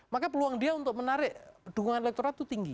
maka peluang dia untuk menarik dukungan elektorat itu tinggi